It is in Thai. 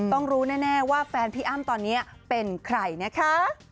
ต้องรู้แน่ว่าแฟนพี่อ้ำตอนนี้เป็นใครนะคะ